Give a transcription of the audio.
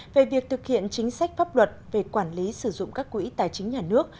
về việc thực hiện chính sách pháp luật về quản lý sử dụng các quỹ tài chính nhà nước